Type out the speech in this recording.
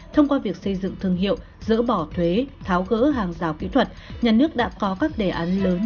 thông qua việc xây dựng thương hiệu dỡ bỏ thuế tháo gỡ hàng rào kỹ thuật nhà nước đã có các đề án lớn